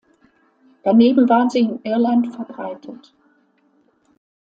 Daneben waren sie in Irland verbreitet.